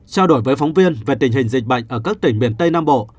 trao đổi với phóng viên về tình hình dịch bệnh ở các tỉnh miền tây nam bộ